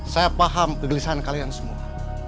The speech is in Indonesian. saya paham kegelisahan kalian semua